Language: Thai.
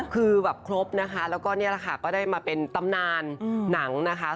คือแบบครบนะคะแล้วก็นี่แหละค่ะก็ได้มาเป็นตำนานหนังนะคะ